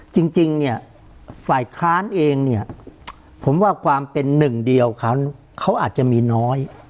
จริงเนี่ยฝ่ายค้านเองเนี่ยผมว่าความเป็นหนึ่งเดียวเขาอาจจะมีน้อย